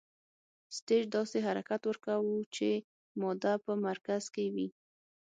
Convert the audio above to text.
سټیج داسې حرکت ورکوو چې ماده په مرکز کې وي.